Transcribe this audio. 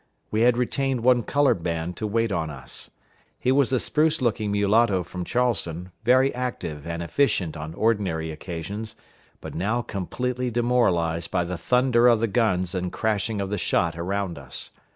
We had retained one colored man to wait on us. He was a spruce looking mulatto from Charleston, very active and efficient on ordinary occasions, but now completely demoralized by the thunder of the guns and crashing of the shot around us.